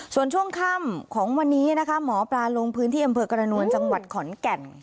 ส่วนช่วงค่ำของวันนี้นะคะหมอปลาลงพื้นที่อำเภอกรณวลจังหวัดขอนแก่น